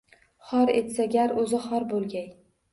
Xor etsa gar, oʻzi xor boʻlgay